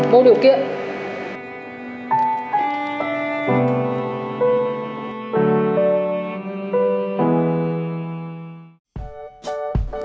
vô điều kiện